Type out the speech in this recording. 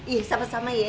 iya sama sama ya